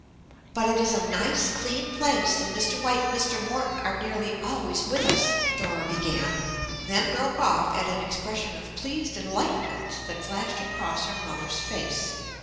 "But it is a nice, clean place, and Mr. White and Mr. Morton are nearly always with us," Dora began, then broke off at an expression of pleased enlightenment that flashed across her mother's face.